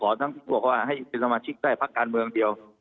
ทั้งที่บอกว่าให้เป็นสมาชิกได้พักการเมืองเดียว